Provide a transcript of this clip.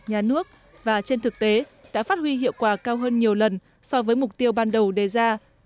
nhà nước và trên thực tế đã phát huy hiệu quả cao hơn nhiều lần so với mục tiêu ban đầu đề ra